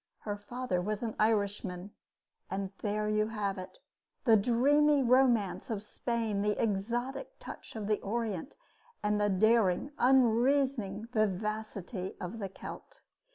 Her father was an Irishman. There you have it the dreamy romance of Spain, the exotic touch of the Orient, and the daring, unreasoning vivacity of the Celt.